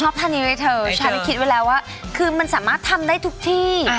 ท่านนี้ไว้เถอะฉันคิดไว้แล้วว่าคือมันสามารถทำได้ทุกที่